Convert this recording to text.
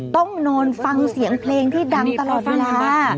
ต้องนอนฟังเสียงเพลงที่ดังตลอดเวลา